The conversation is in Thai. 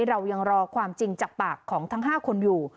เรายังรอความจริงจากปากของทั้ง๕คนอยู่